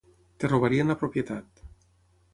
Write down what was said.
Et robarien la propietat.